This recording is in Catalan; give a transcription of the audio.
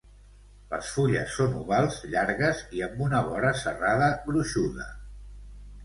Les fulles són ovals, llargues, i amb una vora serrada gruixuda.